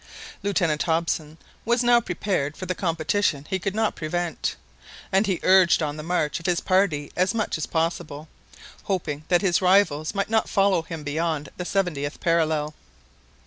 Lieutenant Hobson was now prepared for the competition he could not prevent, and he urged on the march of his party as much as possible, hoping that his rivals might not follow him beyond the seventieth parallel.